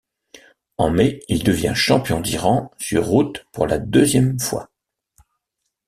En mai, il devient champion d'Iran sur route pour la deuxième fois.